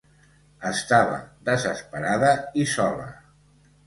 Estava desesperada i sola.